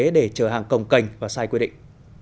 để chở hàng cồng cành và sai quy định